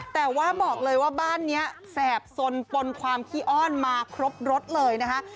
แต่ว่าบอกเลยว่าบ้านนี้แสบสนปนความขี้อ้อนมาครบรถเลยนะคะ